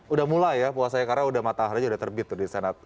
udah mulai ya puasanya karena udah matahari aja udah terbit tuh di sana